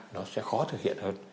nó sẽ khó thực hiện hơn